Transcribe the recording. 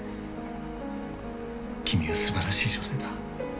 君はすばらしい女性だ。